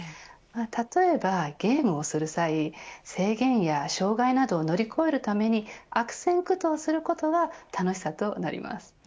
例えば、ゲームをする際制限や障害などを乗り越えるために悪戦苦闘することが楽しさとなります。